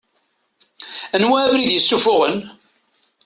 Anwa abrid i yessuffuɣen?